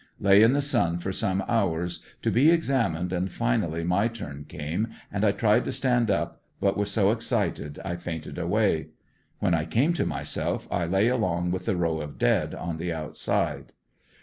Lay in the sun for some hours to be examined, and finally my turn came and I tried to stand up, but was so excited I fainted away. When I came to myself I lay along with the row of dead on the outside.